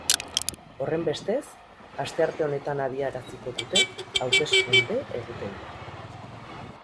Horrenbestez, astearte honetan abiaraziko dute hauteskunde-egutegia.